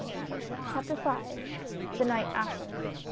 51 CHAPTER V. THE NIGHT AFTER.